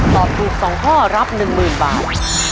ตอบถูก๒ข้อรับ๑๐๐๐บาท